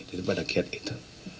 dari pada kiat itu